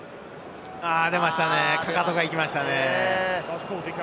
出ましたね、かかとが行きましたね。